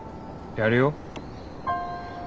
やるよ。